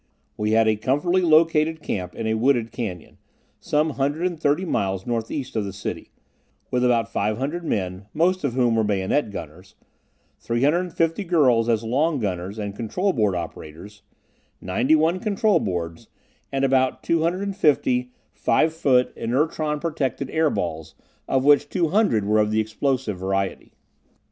We had a comfortably located camp in a wooded canyon, some hundred and thirty miles northeast of the city, with about 500 men, most of whom were bayonet gunners, 350 girls as long gunners and control board operators, 91 control boards and about 250 five foot, inertron protected air balls, of which 200 were of the explosive variety.